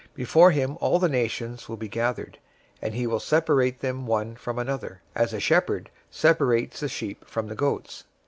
025:032 Before him all the nations will be gathered, and he will separate them one from another, as a shepherd separates the sheep from the goats.